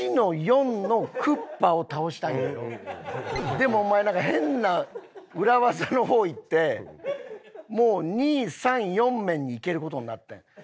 でもお前なんか変な裏技の方行ってもう２３４面に行ける事になってん。